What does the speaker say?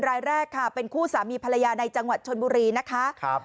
รายแรกค่ะเป็นคู่สามีภรรยาในจังหวัดชนบุรีนะคะครับ